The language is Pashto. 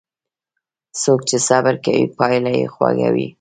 څوک چې صبر کوي، پایله یې خوږه وي.